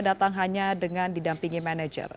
datang hanya dengan didampingi manajer